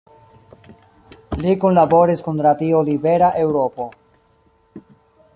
Li kunlaboris kun Radio Libera Eŭropo.